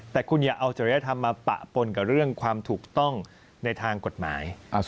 แต่คุณอย่าเอาจริยธรรมมาปะปนกับเรื่องความถูกต้องในทางกฎหมาย